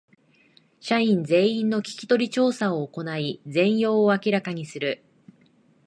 社員全員の聞き取り調査を行い全容を明らかにする